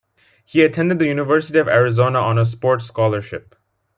He attended the University of Arizona on a sports scholarship.